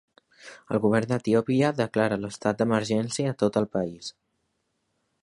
El govern d'Etiòpia declara l'estat d'emergència a tot el país.